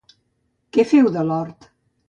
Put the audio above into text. Què fou de l'hort?